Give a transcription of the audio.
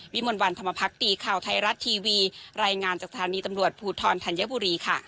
มนต์วันธรรมพักตีข่าวไทยรัฐทีวีรายงานจากสถานีตำรวจภูทรธัญบุรีค่ะ